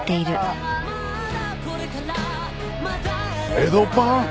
「エドパン」！